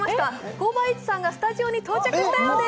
コーバーイーツがスタジオに到着したようです。